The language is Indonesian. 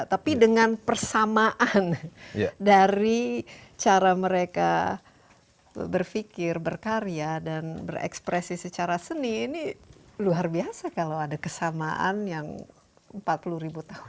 tapi dengan persamaan dari cara mereka berpikir berkarya dan berekspresi secara seni ini luar biasa kalau ada kesamaan yang empat puluh ribu tahun